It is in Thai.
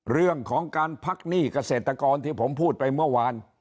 เรื่องของการพักหนี้เกษตรกรที่ผมพูดไปเมื่อวาน